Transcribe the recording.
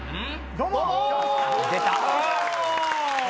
どうも。